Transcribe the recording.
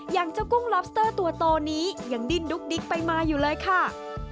อย่างเจ้ากุ้งลอบสเตอร์ตัวโตนี้ยังดิ้นดุ๊กดิ๊กไปมาอยู่เลยค่ะ